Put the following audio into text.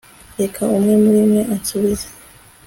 Reka umwe muri mwe ansubize